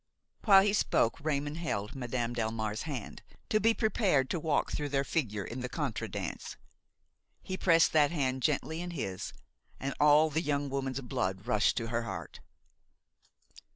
While he spoke Raymon held Madame Delmare's hand, to be prepared to walk through their figure in the contra dance. He pressed that hand gently in his, and all the young woman's blood rushed to her heart.